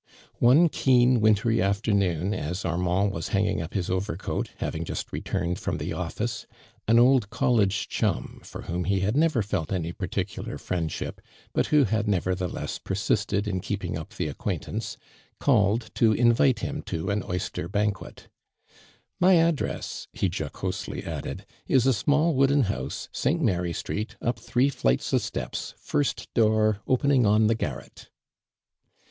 Ono keen, wintry afternoon, nn Armand was hanging up his overcoat, having just re turue<l from the offlco, an old college chum, for whom ho had never felt any particular frien<lship, but who had nevertheless per sisted in keeping up the acquaintance, call ed to invito him to an oyster banf^uet. " My address," lie jocosely adde<l, " w a small wooden house, St. Mary street, up three flights of steps, Hrsi door, opening on the garret."